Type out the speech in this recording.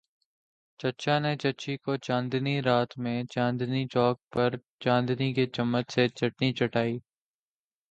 چچا نے چچی کو چاندنی رات میں چاندنی چوک پر چاندی کے چمچ سے چٹنی چٹائ۔